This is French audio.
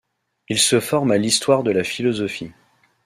Il se forme à l'histoire de la philosophie.